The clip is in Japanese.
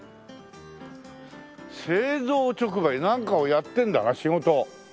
「製造直売」なんかをやってるんだ仕事。